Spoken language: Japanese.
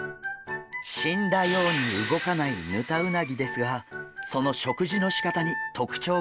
死んだように動かないヌタウナギですがその食事のしかたに特徴があるといいます。